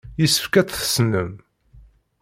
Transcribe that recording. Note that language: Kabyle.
Yessefk ad tt-tessnem.